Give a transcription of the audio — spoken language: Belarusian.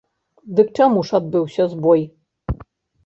Дык чаму ж адбыўся збой?